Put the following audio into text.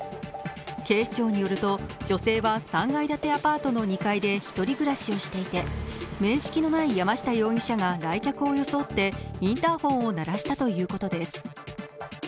警視庁によると女性は３階建てアパートの２階で１人暮らしをしていて面識のない山下容疑者が来客を装ってインターフォンを鳴らしたということです。